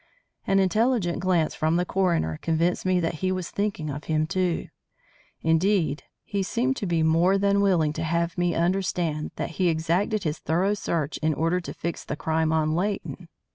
An intelligent glance from the coroner convinced me that he was thinking of him too. Indeed, he seemed to be more than willing to have me understand that he exacted this thorough search in order to fix the crime on Leighton.